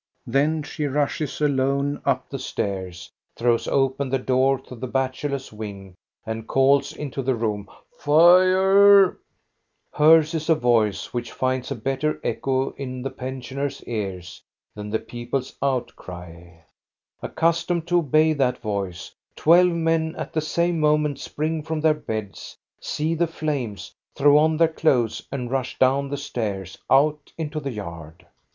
Then she rushes alone up the stairs, throws open the door to the bachelors' wing, and calls into the room :" Fire !" Hers is a voice which finds a better echo in the pensioners' ears than the people's outcry. Accus tomed to obey that voice, twelve men at the same mo ment spring from their beds, see the flames, throw on their clothes, and rush down the stairs out into the yard.